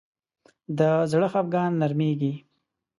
د زړه خفګان نرمېږي